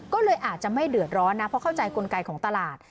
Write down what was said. ก็เลยอาจจะไม่เดือดร้อนนะเพราะเข้าใจกลไกของตลาด